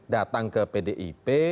datang ke pdip